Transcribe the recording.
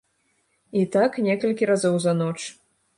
І так некалькі разоў за ноч.